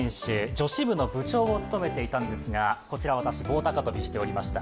女子部の部長を務めていたんですが、こちらは私、棒高跳びしておりました。